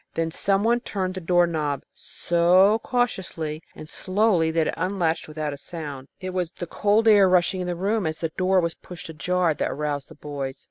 Then some one turned the door knob so cautiously and slowly that it unlatched without a sound. It was the cold air rushing into the room as the door was pushed ajar that aroused the boys.